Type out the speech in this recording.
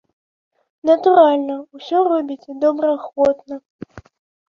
Натуральна, усё робіцца добраахвотна.